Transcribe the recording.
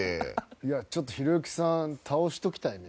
いや、ちょっとひろゆきさん倒しときたいね。